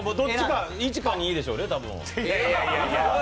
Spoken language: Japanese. １か２でしょうね、多分。